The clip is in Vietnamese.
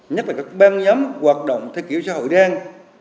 nhất là các ban nhóm hoạt động theo kiểu xã hội đang